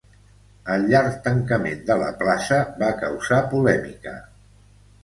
El llarg tancament de la plaça va causar polèmica.